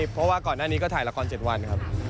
เพราะว่าก่อนหน้านี้ก็ถ่ายละคร๗วันครับ